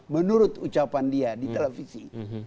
menurut ucapan dia di televisi